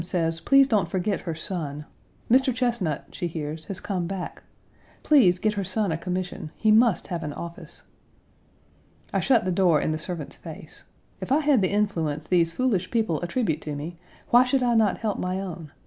says please don't forget her son. Mr. Chesnut, she hears, has come back. Please get her son a commission. He must have an office." I shut the door in the servant's face. If I had the influence these foolish people attribute to me why should I not help my own?